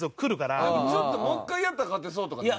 でもちょっともう１回やったら勝てそうとかない？